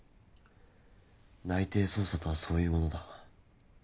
内偵捜査とはそういうものだ。